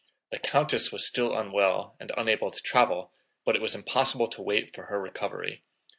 The countess was still unwell and unable to travel but it was impossible to wait for her recovery.